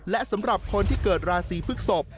และสำหรับคนที่เกิดราศีพฤกษก